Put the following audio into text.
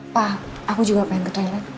pak aku juga mau ke toilet